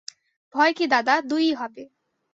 ভয় কী দাদা, দু-ই হবে!